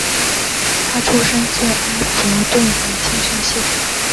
他出身自埃弗顿的青训系统。